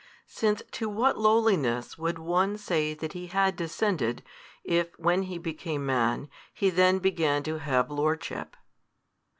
Since to what lowliness would one say that He had descended, if, when He became Man, He then began to have lordship?